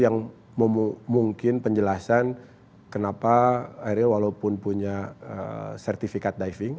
yang memungkinkan penjelasan kenapa ariel walaupun punya sertifikat diving